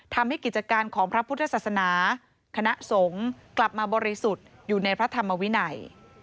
กิจการของพระพุทธศาสนาคณะสงฆ์กลับมาบริสุทธิ์อยู่ในพระธรรมวินัย